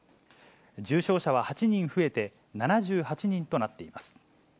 重症者は８人増えて７８人となっています。